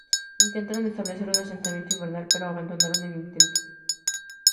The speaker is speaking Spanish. Intentaron establecer un asentamiento invernal, pero abandonaron el intento.